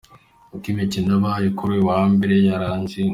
Uko imikino yabaye kuri uyu wa Mbere yarangiye .